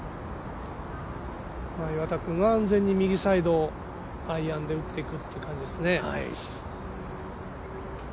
岩田君は安全に右サイド、アイアンで打っていくっていう感じですね。